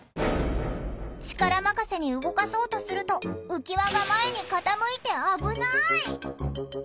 力任せに動かそうとすると浮き輪が前に傾いて危ない！